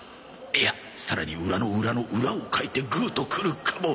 いやさらに裏の裏の裏をかいてグーとくるかも